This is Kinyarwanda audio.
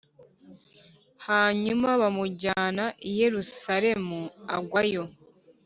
hanyuma bamujyana i yerusalemu+ agwayo